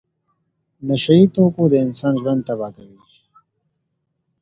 نشه یي توکي د انسان ژوند تباه کوي.